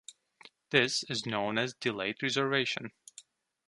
This is known as delayed reservation.